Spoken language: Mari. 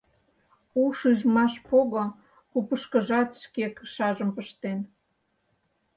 У шижмаш пого купышкыжат шке кышажым пыштен.